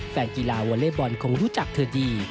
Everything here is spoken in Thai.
แฟนกีฬาวอเล็กบอลคงรู้จักเธอดี